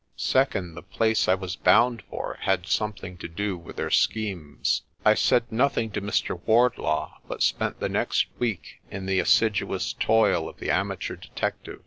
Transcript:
Second, the place I was bound for had something to do with their schemes. I said nothing to Mr. Wardlaw, but spent the next week in the assiduous toil of the amateur detective.